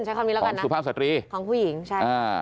ใช้คำนี้แล้วกันนะสุภาพสตรีของผู้หญิงใช่อ่า